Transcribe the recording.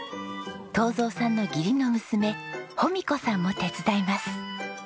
東三さんの義理の娘保美子さんも手伝います。